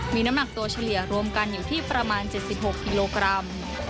มีน้ำหนักตัวเฉลี่ยรวมกันอยู่ที่ประมาณ๗๖กิโลกรัม